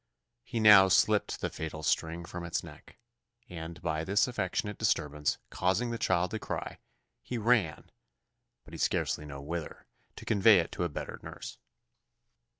He now slipped the fatal string from its neck; and by this affectionate disturbance causing the child to cry, he ran (but he scarcely knew whither) to convey it to a better nurse.